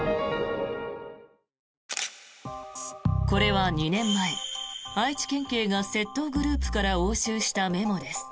これは２年前、愛知県警が窃盗グループから押収したメモです。